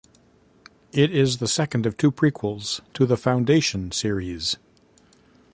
It is the second of two prequels to the "Foundation" Series.